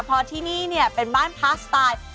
เพราะที่นี่เป็นบ้านพลาสไตล์